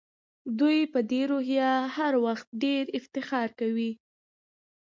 دوی په دې روحیه هر وخت ډېر افتخار کوي.